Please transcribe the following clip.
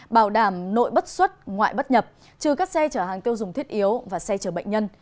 bảo đảm nội bất xuất ngoại bất nhập trừ các xe chở hàng tiêu dùng thiết yếu và xe chở bệnh nhân